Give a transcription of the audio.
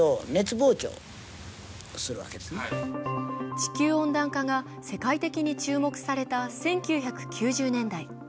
地球温暖化が世界的に注目された１９９０年代。